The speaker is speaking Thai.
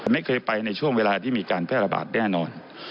ไม่เคยไปในช่วงเวลาที่มีการแพร่ระบาดแน่นอน